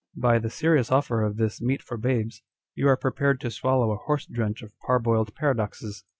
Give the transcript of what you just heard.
By the serious offer of this meat for babes, you arc prepared to swallow a horse drench of parboiled paradoxes.